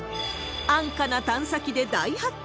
安価な探査機で大発見。